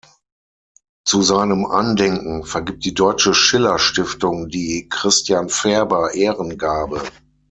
Zu seinem Andenken vergibt die Deutsche Schillerstiftung die "Christian Ferber-Ehrengabe".